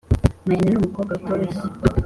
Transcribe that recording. Marina n’umukobwa utoroshye